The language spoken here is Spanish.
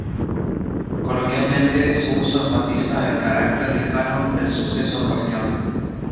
Coloquialmente, su uso enfatiza el carácter lejano del suceso en cuestión.